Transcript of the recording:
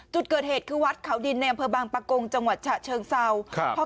จุดเกิดเหตุคือวัดเขาดินในอำเภอบางปะโกงจังหวัดฉะเชิงเซาครับ